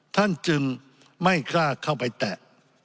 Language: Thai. ท่านจึงไม่กล้าเข้าไปแตะ